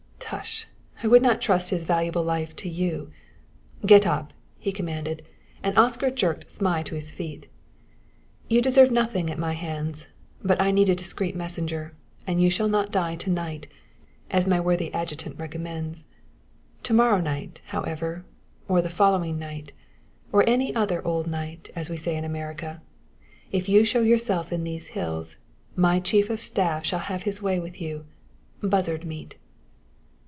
"Tush! I would not trust his valuable life to you. Get up!" he commanded, and Oscar jerked Zmai to his feet. "You deserve nothing at my hands, but I need a discreet messenger, and you shall not die to night, as my worthy adjutant recommends. To morrow night, however, or the following night or any other old night, as we say in America if you show yourself in these hills, my chief of staff shall have his way with you buzzard meat!"